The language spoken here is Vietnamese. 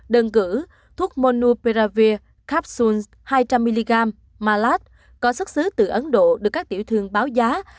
đơn cử thuốc monopiravir capsule hai trăm linh mg malad có xuất xứ từ ấn độ được các tiểu thương báo giá